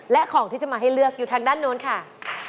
และของที่จะมาให้เลือกอยู่ทางด้านโน้นค่ะ